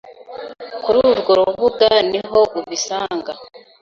Kuri urwo rubuga niho ubisanga